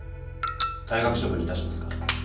退学処分にいたしますか？